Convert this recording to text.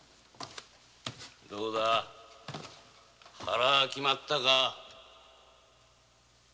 どうだ腹は決まったか？